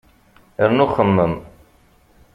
Rnu xemmem!